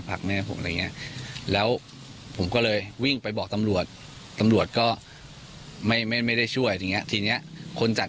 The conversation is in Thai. พักแม่ผมแล้วผมก็เลยวิ่งไปบอกตำรวจตำรวจก็ไม่ได้ช่วยอย่างนี้ทีนี้คนจัด